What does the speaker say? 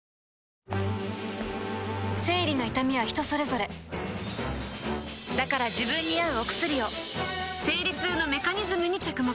生理の痛みは人それぞれだから自分に合うお薬を生理痛のメカニズムに着目